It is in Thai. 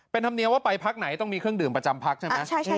เป็นธรรมเนียมว่าไปพักไหนต้องมีเครื่องดื่มประจำพักใช่ไหม